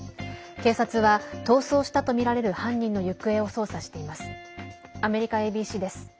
警察は逃走したとみられる犯人の行方を捜査しています。